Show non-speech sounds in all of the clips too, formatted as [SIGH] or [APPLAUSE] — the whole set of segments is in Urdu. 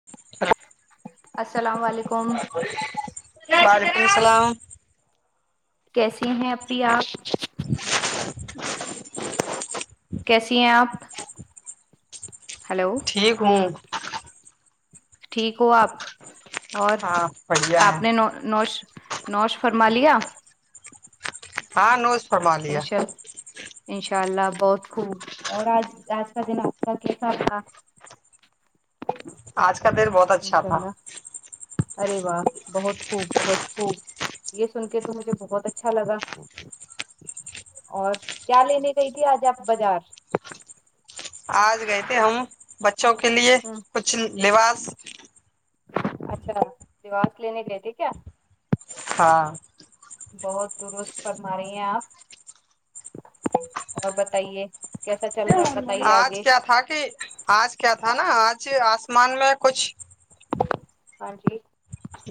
[UNINTELLIGIBLE] السلام علیکم [UNINTELLIGIBLE] وعلیکم السلام کیسے ہیں اپی آپ [INAUDIBLE] کیسی ہیں آپ ہلو ٹھیک ہوں ٹھیک ہو آپ اور ہاں بڑھیا آپ ہے نے نو نوش نوش فرمالیا ہاں نوش [UNINTELLIGIBLE] انشاء اللہ بہت خوب اور آج آج کا دن آپ کا کیسا تھا آج کا دن بہت اچھا انشاء تھا اللہ ارے واہ بہت خوب بہت خوب یہ سن کے تو مجھے بہت اچھا لگا اور کیا لینے گئی تھی آج آپ بازار آج گئے تھے ہم بچوں کے لیے ہ کچھ لباس اچھا لباس لینے گے تھے کیا ہاں بہت درست فرما رہے ہیں آپ اور بتائیے کیسا چل رہا ہے بتائیے آج آگے کیا تھا کہ آج کیا تھا نا آج اسمان میں کچھ ہاں جی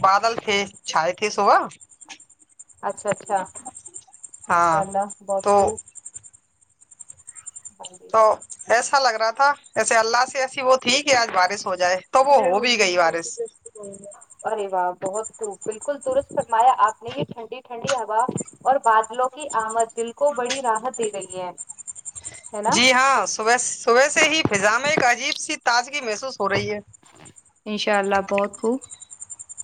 بادل تھے چھائے تھے صبح اچھا اچھا انشاء ہاں اللہ بہت تو خوب بی تو ایسا لگ رہا تھا ایسے اللہ سے ایسی وہ تھی کہ آج بارش ہو جائے تو وہ ہو بھی گئی بارش ہی ارے واہ بہت د بالکل درست فرمایا آپ نے یہ ٹھنڈی ٹھنڈی ہوا اور بادلوں کی آمد دل کو بڑی راحت دے رہی ہے ہے نا جی ہاں صبح صبح سے ہی فضا ایک عجیب سی تازگی محسوس ہو رہی ہے انشاء اللہ بہت خوب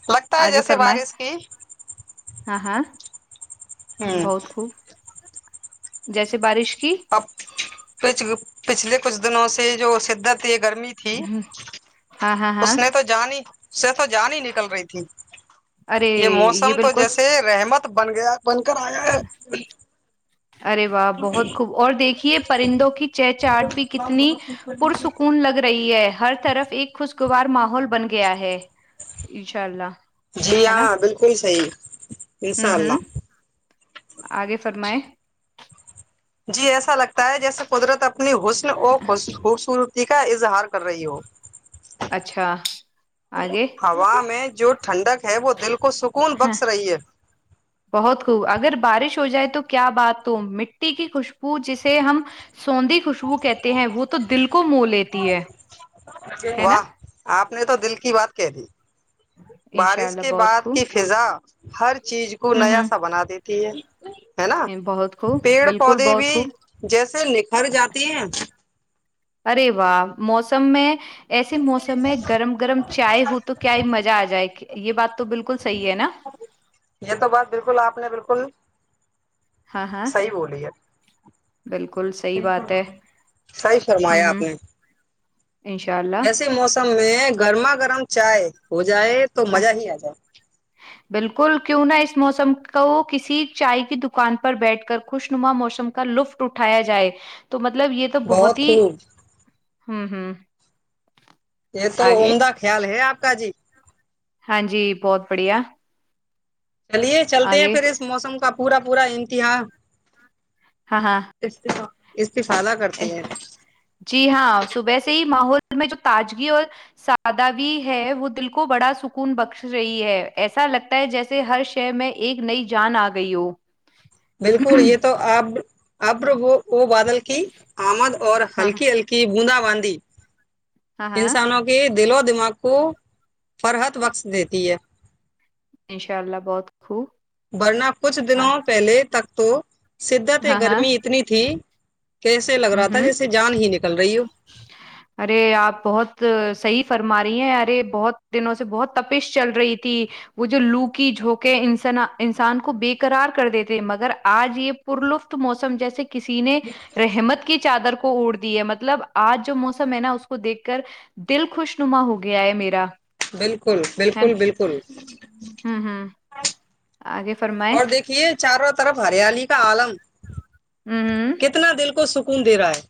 لگتا ہے اگے جیسے فرمائے بارش کی ہاں ہاں ہوں بہت خوب جیسے بارش کی اب پچ پچھلے کچھ دنوں سے جو شدت تے گرمی تھی ہاں ہاں اس ہاں نے تو جو جانی سے تو جانی ہی نکل رہی تھی ارے یہ موسم تو جیسے رحمت بن گیا بن کر آیا ارے واہ بہت خوب اور دیکھیے پرندوں کی چہ چاہٹ بھی کتنی پرسکون لگ رہی ہے ہر طرف ایک خوشگوار ماحول بن گیا ہے انشاء اللہ جی ہے نا ہاں بالکل صحیح ہوں انشاء اللہ ہوں اگے فرمائیں جی ایسا لگتا ہے جیسے قدرت اپنی حسن اور خوبصور یک کا اظہار کر رہی ہو اچھا آگے ہوا میں جو ٹھنڈک ہے وہ دل کو سکون ہاں بخش رہی ہے بہت خوب اگر بارش ہو جائے تو کیا بات تو مٹی کی خوشبو جسے ہم سونندی خوشبو کہتے ہیں وہ تو دل کو مو لیتی ہے ہے نا واہ آپ نے تو دل کی بات کہ تھی انشاء بارش اللہ کے بہت بعد خوب کی فضا ہر چیز کو ہوں نیا سا ہوں بنا دیتی ہے ہے نا بہت خوب پیڑ بالکل پودے بہت بھی خوب جیسے نکھر جاتی ہیں ارے واہ موسم میں ایسے موسم میں گرم گرم چائے ہو تو کیا ہی مزہ آ جائے یہ بات تو بالکل صحیح ہے نا یہ تو بات بالکل آپ نے بالکل ہاں ہاں صحیح بولی ہے بالکل صحیح بات فرم ہے صحیح ہوں فرمایا آپ ہوں نے انشاء اللہ ایسے موسم میں گرما گرم چائے ہو جائے تو ہاں مزہ ہی آ جائے بالکل کیوں نہ اس موسم کو کسی چائے کی دکان پر بیٹھ کر خوش نما موسم کا لطف اٹھایا جائے تو مطلب یہ تو بہت ہی ہوں ہوں یہ تو آگے عمدہ خیال ہے آپ کا جی ہاں جی بہت بڑھیا چلیے چلتے ہیں آگے پھر اس موسم کا پورا پورا امتیہا ہاں ہاں استف استفادہ کرتی ہیں جی ہاں صبح سے ہی ماحول میں جو تاذگی اور سادہ بھی ہے وہ دل کو بڑا سکون بخش رہی ہے ایسا لگتا ہے جیسے ہرشئےمیں ایک نئی جان آ گئی ہو بالکل یہ تو اب اب وہ ا بادل کی آمد اور ہاں ہلکی ہلکی کی بوندا باندی ہاں ہاں انسانوں کو کے دل و دماغ کو فرحت بخش دیتی ہے انشاء اللہ بہت خوب ورنہ کچھ ہاں دنوں پہلے تک تو شدت ہاں ہاں گرمی اتنی تھی کیسے لگ ہ رہا تھا ہ جیسے جان ہی نکل رہی ہو ارے آپ بہت صحیح فرما رہی ہیں ارے بہت دنوں سے بہت تپش چل رہی تھی وہ جو لوکی جھونکے انس انسان کو بے کررار کر دیتے مگر آج یہ پرلفت موسم جیسے کسی نے رحمت کی چادر کو اڑ دی ہے مطلب آج جو موسم ہے نا اس کو دیکھ کر دل خوش نما ہو گیا ہے میرا بالکل ہے بالکل نا بالکل ہوں ہوں آگے فرمائیں اور دیکھیے چاروں طرف ہریلی کا آلم ہوں ہوں کتنا دل کو سکون دے رہا ہے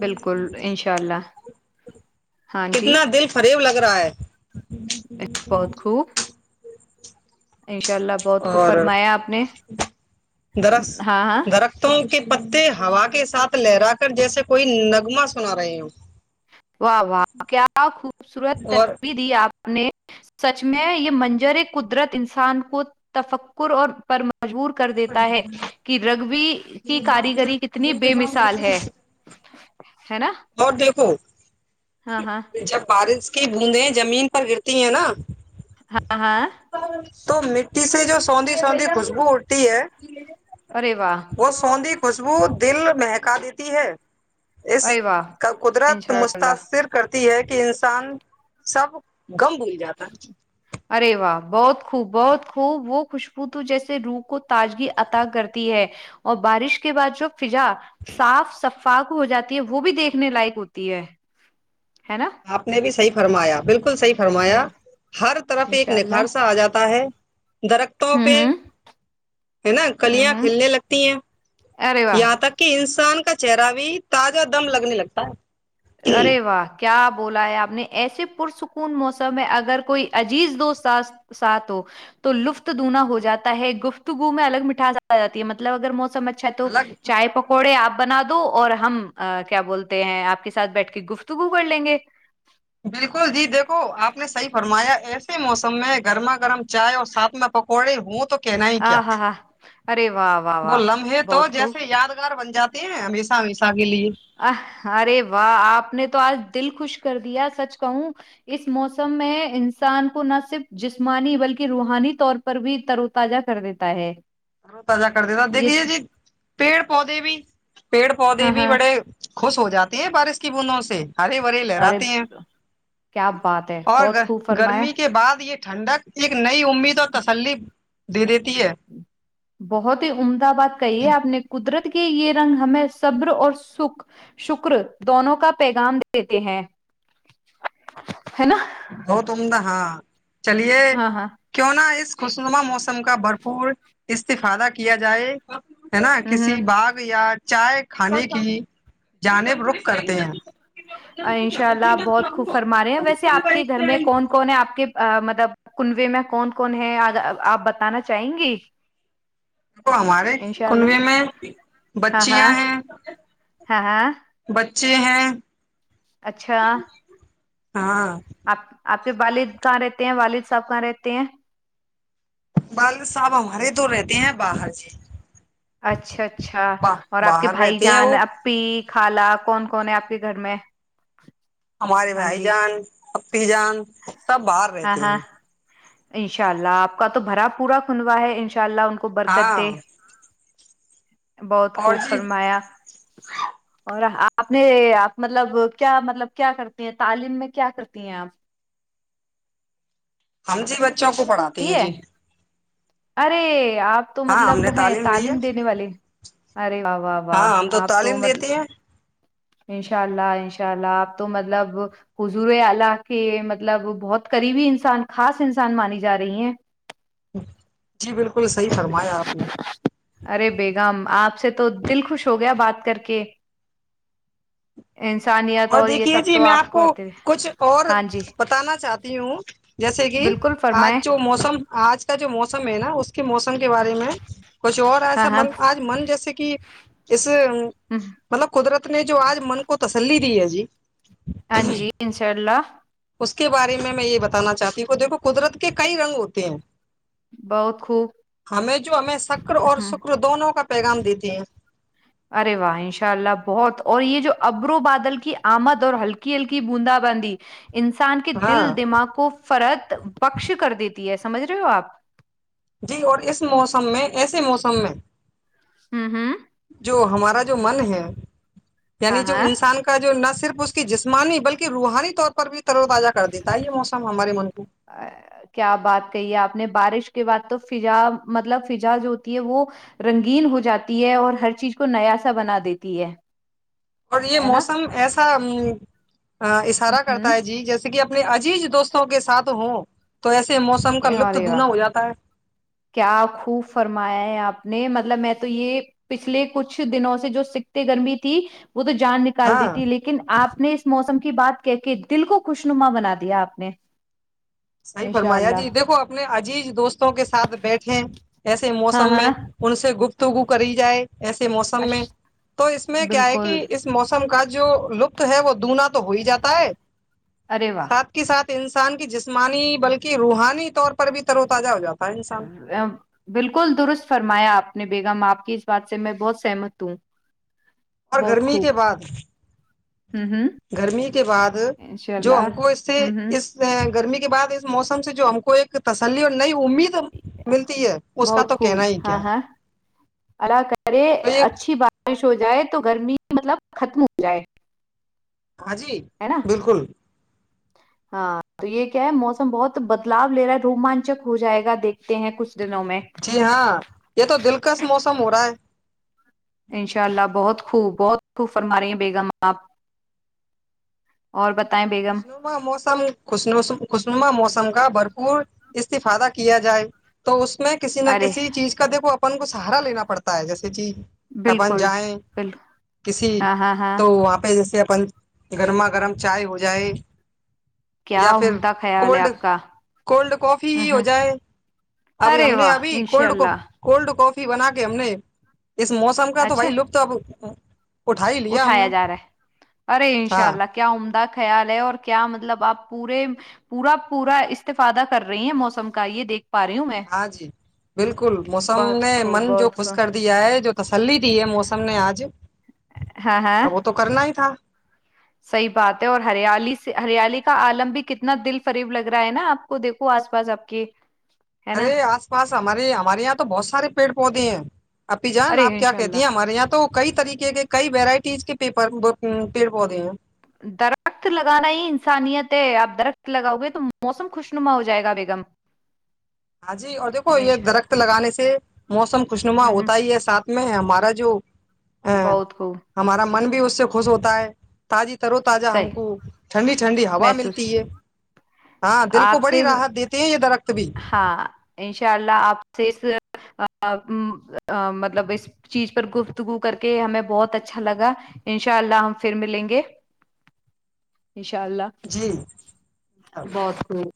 بالکل انشاء اللہ ہاں جی کتنا دل فریب لگ رہا ہے بہت خوب انشاء اللہ بہت کچھ اور فرمایا آپ نے ہاں ہاں تو کے پتے ہوا کے ساتھ لہرا کر جیسے کوئی نغمہ سنا رہے ہو واہ واہ کیا خوبصورت اور تصویر دی آپ سچ میں یہ منظر قدرت انسان کو تفکر اور پرم مجبور کر دیتا ہے کہ رگبی کی کاریگری کتنی بے مثال ہے ہے نا اور دیکھو ہاں ہاں جب بارش کی بوندیں زمین پر گرتی ہیں نا ہاں ہاں تو مٹی سے جو سوندھی سوندھی خوشبو اٹتی ہے ارے وا وہ سوندھی خوشبو دل مہکا دیتی ہے اس ارے واہ کا قدرت انشاء اللہ متاثر کرتی ہے کہ انسان سب غم بھول جاتا ہے ارے واہ بہت خوب بہت خوب وہ خوشبو تو جیسے روح کو تاذگی عطا کرتی ہے اور بارش کے بعد جو فضا صاف صفائی فاقو ہو جاتی ہے وہ بھی دیکھنے لائق ہوتی ہے ہے نا آپ نے بھی صحیح فرمایا بالکل صحیح فرمایا ہر طرف ایک انشاء نکھار اللہ سا آ جاتا ہے درختوں ہوں پہ ہوں ہے نا ہوں کلیاں ہوں کھیلنے لگتی ہیں ارے واہ یہاں تک کہ انسان کا چہرہ بھی تازہ دم لگنے لگتا ہے ارے واہ کیا بولا ہے آپ نے ایسے پرسکون موسم میں اگر کوئی عزیز دوست ساتھ ہو تو لطفت دوگنا ہو جاتا ہے گفتگو میں الگ میٹاس آ جاتی ہے مطلب اگر موسم اچھا تو الگ چائے پکوڑے آپ بنا دو اور ہم کیا بولتے ہیں آپ کے ساتھ بیٹھ کے گفتگو کر لیں گے بالکل جی دیکھو آپ نے صحیح فرمایا ایسے موسم میں گرما گرم چائے اور ساتھ میں پکوڑے ہوں تو کہنا ہی کیا ہاں ہاں ہاں ارے واہ واہ وہ واہ لمحے تو بہت خوب جیسے یاد ار بن جاتے ہیں ہمیشہ ہمیشہ کے لیے ا ارے واہ آپ نے تو آج دل خوش کر دیا سچ کہوں اس موسم میں انسان کو نہ صرف جسمانی بلکہ روحانی طور پر پر بھی ترو تزہ کر دیتا ہے رو تازہ کر دتا یہ دیکھیے جی پیڑ پودے بھی پیڑ پودے ہاں بھی ہاں بڑے خوش ہو جاتی ہیں بارش کی بندوں سے ہریے بھرے ارے لہراتے ہیں کیا بات ہے اور بہت گ خوب فرمایا گرمی کے بعد یہ ٹھنڈک ایک نئی امید اور تسلی دے دیتی ہے بہت ہی عمدہ بات کہی ہے آپ نے قدرت کی کہ یہ رنگ ہمیں صبر اور سکھ شکر دونوں کا پیغام دیتے ہیں ہے نا بہت عمدہ ہاں چلیے ہاں ہاں کیوں نہ اس خشنما موسم کا بھرپور استفادہ کیا جائے ہے نا ہ ہ کسی باغ یا چائے کھانے کی جانب رخ کرتے ہیں انشاء اللہ آپ بہت خوب فرما رہے ہیں ویسے آپ کے گھر میں کون کون ہے آپ کے مطلب کنوے میں کون کون ہے آپ بتانا چاہیں گی دیک ہمارے انشاء اللہ کنوے میں ہاں ہاں بچیاں ہیں ہاں ہاں بچے ہیں اچھا ہاں آپ آپ کے والد کہاں رہتے ہیں والد صاحب کہاں رہتے ہیں والد صاحب ہمارے تو رہتے ہیں باہر جی اچھا اچھا با اور آپ کے باہر بھائی رہتے ہیں جان وہ اپی خالا کون کون ہے آپ کے گھر میں ہمارے ہاں بھائی جی جان اپی جان سب باہر ہاں رہتے ہاں ہیں ان شاء اللہ آپ کا تو بھرا پورا کندوا ہے ان شاء اللہ ان کو برکت دے ہاں بہت اور خوب جی فرمایا اور آپ نے آپ مطلب کیا مطلب کیا کرتی ہیں تعلیم میں کیا کرتی ہیں آپ ہم جی بچوں کو پڑا ہے ارے آپ تو ہاں ہم مطلب نے وہ ہیں لی ہے تعلیم دینے والے ارے واہ واہ واہ ہاں ہم آپ تو تعلیم مطلب دیتے ہیں انشاء اللہ انشاء اللہ آپ تو مطلب حضور الہ کے مطلب بہت قریبی انسان خاص انسان مانی جا رہی ہیں جی بالکل صحی فرمایا آپ نے ارے بیگم آپ سے تو دل خوش ہو گیا بات کر کے انسانیت اور یہ دیکھئے سب جی تو میں آپ کو آتے ہیں۔ کچھ اور ہاں جی بتانا چاہتی ہوں جیسے کہ بالکل فرمائیں آج جو موسم آج کا جو موسم ہے نا اس کے موسم کے بارے میں کچھ اور ایسا ہاں ہاں من آج من جیسے کہ اس مطلب قدرت نے جو آج من کو تسلی دی ہے جی ہاں جی انشاء اللہ اس کے بارے میں میں یہ بتانا چاہتی ہوں کہ دیکھو قدرت کے کئی رنگ ہوتے ہیں بہت خوب ہمیں جو ہمیں شکر اور ہ شوکر دونوں کا پیغام دیتے ہیں ارے واہ ان شاء اللہ بہت اور یہ جو ابرو بادل کی آمد اور ہلکی ہلکی بوندا بندی انسان کے دل ہاں دماغ کو فرت بخش کر دیتی ہے سمجھ رہے ہو آپ جی اور اس موسم میں ایسے موسم میں ہوں ہوں جو ہمارا جو من ہے ہاں یعنی جو ہاں انسان کا کا جو نہ صرف اس کی جسمانی بلکہ روحانی طور پر بھی تر و تازہ کر دیتا ہے یہ موسم ہمارے من کو آ، کیا بات کہی ہے آپ نے بارش کے بعد تو فضا مطلب فضا جو ہوتی ہے وہ رنگین ہو جاتی ہے اور ہر چیز کو نیا سا بنا دیتی ہے اور یہ ہے نا موسم ایسا ا اشارہ کرتا ہے ہوں جی جیسے کہ اپنے عجیز دوستوں کے ساتھ ہوں تو ایسے موسم کا لطف ارے واہ دوگنا ہو جاتا ہے کیا خوب فرمایا ہے آپ نے مطلب میں تو یہ پچھلے کچھ دنوں سے جو سکتے گرمی تھی وہ تو جان نکال دیی ہاں تھی لیکن لیکن آپ نے اس موسم کی بات کہ کے دل کو خوشنما بنا دیا آپ نے صحیح انشاء فرمایا جی اللہ دیکھو اپنے عجیز دوستوں کے ساتھ بیٹھے ایسے ہاں موسم میں ہاں ان سے گفتگو کری جائے ایسے موسم اش میں تو اس میں کیا ہے بالکل کہ اس موسم کا جو لطت ہے وہ دوگنا تو ہو ہی جاتا ہے ارے واہ ساتھ کے ساتھ انسان کی جسمانی بلکہ روحانی طور پر بھی ترو تجہ ہو جاتا ہے انسان بالکل درست فرمایا آپ نے بیگم آپ کی اس بات سے میں بہت سہمت ہوں اور بہت گرمی خوب کے بعد ہ ہ گرمی کے بعد انشاء جو اللہ ہم کو اس سے ہ ہ اس گرمی کے بعد اس موسم سے جو ہم کو ایک تسلی اور نئی امید ملتی ہے اس کا بہت تو خوب کہنا ہی ہاں کیا ہے ہاں اللہ کرے تو یہ اچھی بات بارش ہو جائے تو گرمی مطلب ختم ہو جائے ہاں جی ہے نا بالکل ہاں تو یہ کیا ہے موسم بہت بدلاؤ لے رہا ہے روومانچک ہو جائے گا دیکھتے ہیں کچھ دنوں میں جی ہاں یہ تو دل کس موسم ہو رہا ہے انشاء اللہ بہت خوب بہت خوب فرما رہی ہیں بیگم آپ اور بتائیں بیگم خوشنما موسم خوش خوشنما موسم کا بھرپور استفادہ کیا جائے تو اس میں کسی نہ ارے کسی چیز کا دیکھو اپن کو سہارا لینا پڑتا ہے جیسے جی اپن بالکل جائیں بالکل کسی ہاں ہاں ہاں تو وہاں پہ جیسے اپن گرما گرم چائے ہو جائے یا کیا پھر عمدہ خیال ہے کولڈ آپ کا کولڈ کافی ہی ہ ہو ہ جائے ابھی ہم ارے نے واہ ابھی انشاء کولڈ کو اللہ کولڈ کافی بنا کے ہم نے اس موسم کا تو اچھا بھائی لپت اب اٹھا ہی لیا ہم نے اٹھایا جا رہا ہے ارے ان شاء ہاں اللہ کیا عمدہ خیال ہے اور کیا مطلب آپ پورے پورا پورا استفادہ کر رہی ہیں موسم کا یہ دیکھ پا رہی ہوں میں ہاں جی بالکل موسم بہت نے خوب من جو بہت خوش کرتا خوب دیا ہے جو تسلی دی ہے موسم نے آج ہاں ہاں اب وہ تو کرنا ہی تھا صحیح بات ہے اور ہریالی سے ہریالی کا آلم بھی کتنا دل فریب لگ رہا ہے نا آپ کو دیکھو آس پاس آپ کے ہے نا ارے آس پاس ہمارے ہمارے یہاں تو بہت سارے پیڑ پودے ہیں اپی جان ارے آپ کیا انشاء کہتی ہیں اللہ ہمارے یہاں تو کئی طریقے کے کئی ویرائٹیز کے پیر پیڑ پودے ہیں درخت درخت لگانا ہی انسانیت ہے آپ درخت لگاؤ گے تو موسم خوشنما ہو جائے گا بیگم ہاں جی اور دیکھو یہ انشاء درخت لگانے سے موسم خوشنما ہوں ہوتا ہوں ہی ہے ساتھ میں ہمارا جو بہت کو ہمارا من بھی اس سے خوش ہوتا ہے تازی ترو تازہ صحیح ہم کو ٹھنڈی ٹھنڈی ہوا محسوس ملتی ہے ہاں دل کو آپ بڑی سے راحت دیتے ہیں یہ درخت بھی ہاں انشاء اللہ آپ سے اس مطلب اس چیز پر گفتگو کر کے ہمیں بہت اچھا لگا ان شاء اللہ ہم پھر ملیں گے انشاء اللہ جی انشاء اللہ بہت خوب